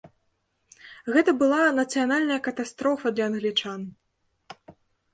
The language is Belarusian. Гэта была нацыянальная катастрофа для англічан.